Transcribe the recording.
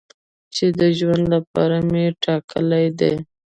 چې د ژوند لپاره مې ټاکلی دی.